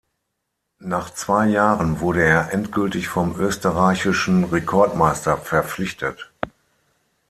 Nach zwei Jahren wurde er endgültig vom österreichischen Rekordmeister verpflichtet.